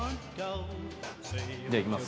じゃあいきます。